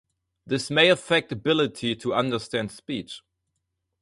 This may affect ability to understand speech.